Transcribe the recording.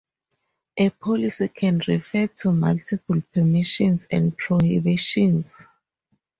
A Policy can refer to multiple Permissions and Prohibitions.